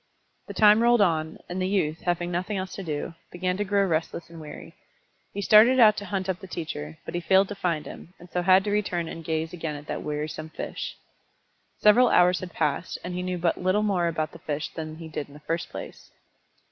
The time rolled on, and the youth, having nothing else to do, began to grow restless and weary. He started out to hunt up the teacher, but he failed to find him, and so had to return and gaze again at that wearisome fish. Several hours had passed, and he knew but little more about the fish than he did in the first place.